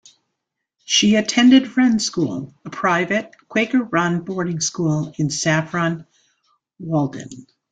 She attended Friends School, a private, Quaker-run boarding school in Saffron Walden.